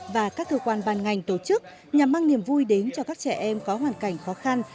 và các cơ quan ban ngành tổ chức nhằm mang niềm vui đến cho các trẻ em có hoàn cảnh khó khăn